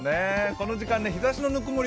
この時間日ざしのぬくもり